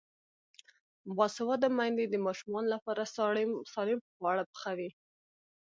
باسواده میندې د ماشومانو لپاره سالم خواړه پخوي.